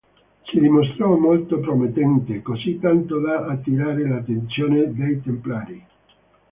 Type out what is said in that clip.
Si dimostrò molto promettente, così tanto da attirare l'attenzione dei Templari.